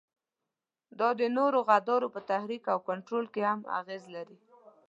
دا د نورو غدو په تحریک او کنترول کې هم اغیزه لري.